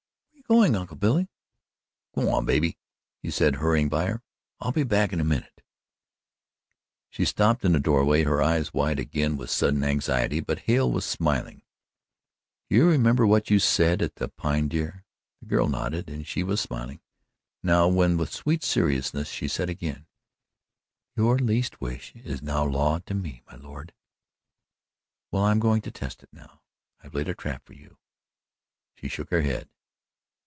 "Where are you going, Uncle Billy?" "Go on, baby," he said, hurrying by her, "I'll be back in a minute." She stopped in the doorway her eyes wide again with sudden anxiety, but Hale was smiling. "You remember what you said at the Pine, dear?" The girl nodded and she was smiling now, when with sweet seriousness she said again: "Your least wish is now law to me, my lord." "Well, I'm going to test it now. I've laid a trap for you." She shook her head.